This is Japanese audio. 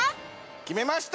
決めました。